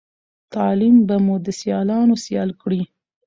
تعليم به مو د سیالانو سيال کړی